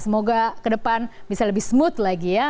semoga ke depan bisa lebih smooth lagi ya